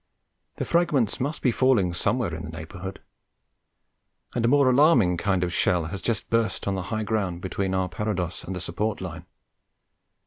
The fragments must be falling somewhere in the neighbourhood; and a more alarming kind of shell has just burst on the high ground between our parados and the support line.